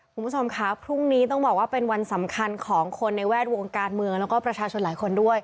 คุณผู้ชมครับพรุ่งนี้ต้องบอกว่าเป็นวันสำคัญของคนในแวดวงการเมืองแล้วก็ประชาชนหลายคนด้วย